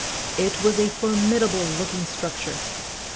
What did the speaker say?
It was a formidable looking structure.